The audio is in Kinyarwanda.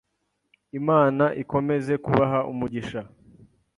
Imana ikomeze kubaha umugisha